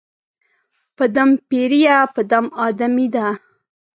په دم پېریه، په دم آدمې دي